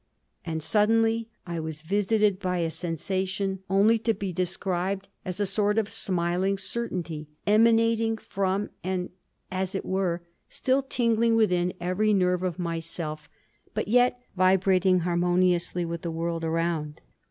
And suddenly I was visited by a sensation only to be described as a sort of smiling certainty, emanating from, and, as it were, still tingling within every nerve of myself, but yet vibrating harmoniously with the world around.